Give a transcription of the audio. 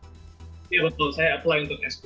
iya betul saya apply untuk s dua